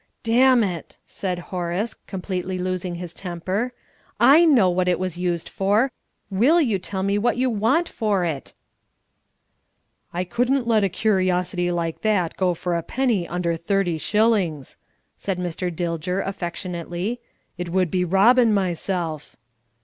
"Damn it!" said Horace, completely losing his temper. "I know what it was used for. Will you tell me what you want for it?" "I couldn't let a curiosity like that go a penny under thirty shillings," said Mr. Dilger, affectionately. "It would be robbin' myself."